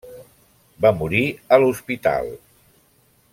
Va morir a l'hospital.